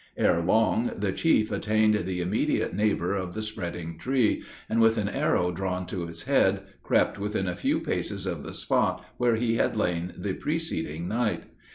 Ere long the chief attained the immediate neighbor of the spreading tree, and with an arrow drawn to its head, crept within a few paces of the spot where he had lain the preceding night.